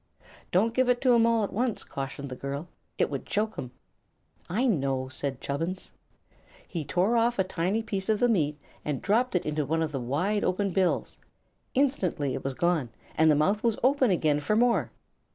"Don't give it to 'em all at once," cautioned the girl. "It would choke 'em." "I know," said Chubbins. He tore off a tiny bit of the meat and dropped it into one of the wide open bills. Instantly it was gone and the mouth was open again for more.